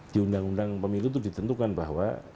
di undang undang pemilu itu ditentukan bahwa